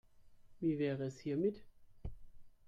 Wie wäre es hiermit?